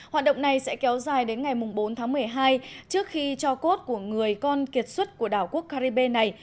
hoạt động này sẽ kéo dài đến ngày bốn tháng một mươi hai trước khi cho cốt của người con kiệt xuất của đảo quốc caribe này